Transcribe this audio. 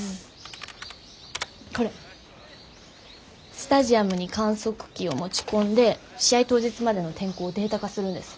スタジアムに観測器を持ち込んで試合当日までの天候をデータ化するんです。